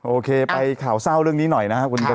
โอเคไปข่าวเศร้าเรื่องนี้หน่อยนะครับคุณดาว